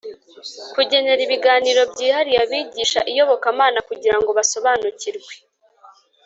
Kugenera ibiganiro byihariye abigisha iyobokamana kugira ngo basobanukirwe